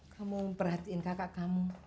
kamu memperhatiin kakak kamu